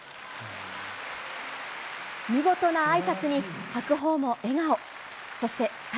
見事なあいさつに白鵬も笑顔。